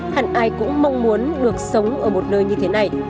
hẳn ai cũng mong muốn được sống ở một nơi như thế này